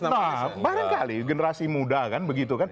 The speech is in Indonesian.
nah barangkali generasi muda kan begitu kan